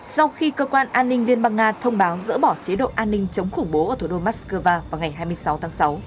sau khi cơ quan an ninh liên bang nga thông báo dỡ bỏ chế độ an ninh chống khủng bố ở thủ đô moscow vào ngày hai mươi sáu tháng sáu